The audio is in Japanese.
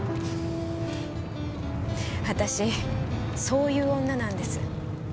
私そういう女なんです。